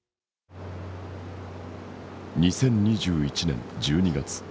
２０２１年１２月。